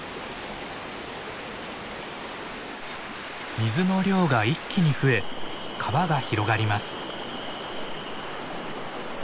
水の量が一気に増え川が広がります。